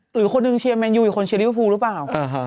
หรือคนหนึ่งเชียร์แมนยูอีกคนเชียริเวอร์พูลหรือเปล่า